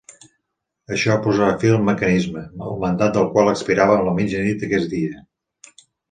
Això posava fi al mecanisme, el mandat del qual expirava a la mitjanit d'aquest dia.